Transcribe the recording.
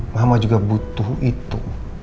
mama juga butuh itu